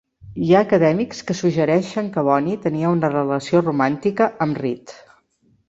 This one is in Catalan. Hi ha acadèmics que suggereixen que Bonny tenia una relació romàntica amb Read.